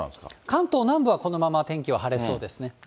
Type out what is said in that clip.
関東南部はこのまま天気は晴れそうですね。